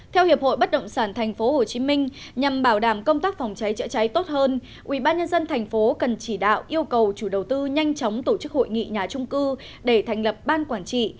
theo hiệp hội bất động sản tp hcm nhằm bảo đảm công tác phòng cháy chữa cháy tốt hơn ubnd tp cần chỉ đạo yêu cầu chủ đầu tư nhanh chóng tổ chức hội nghị nhà trung cư để thành lập ban quản trị